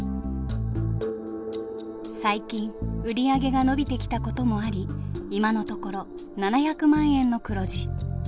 最近売り上げが伸びてきたこともあり今のところ７００万円の黒字。